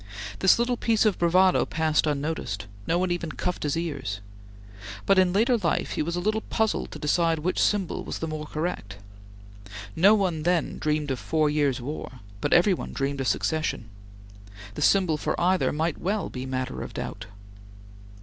This little piece of bravado passed unnoticed; no one even cuffed his ears; but in later life he was a little puzzled to decide which symbol was the more correct. No one then dreamed of four years' war, but every one dreamed of secession. The symbol for either might well be matter of doubt.